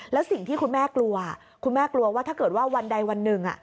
แล้วสิ่งที่คุณแม่กลัวคุณแม่กลัวว่าถ้าเกิดว่าวันใดวันหนึ่ง